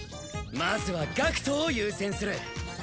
まずは学人を優先する！